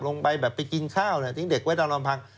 ลงไปแบบไปกินข้าวทิ้งเด็กไว้ตามลำพัง